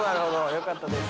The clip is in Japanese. よかったです。